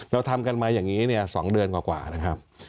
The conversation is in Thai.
เราทำกันมาอย่างนี้๒เดือนกว่านะครับ